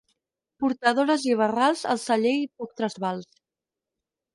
Portadores i barrals, al celler i poc trasbals.